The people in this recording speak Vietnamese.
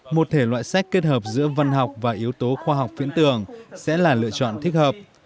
một thể loại sách kết hợp giữa văn học và yếu tố khoa học phiễn tưởng sẽ là lựa chọn thích hợp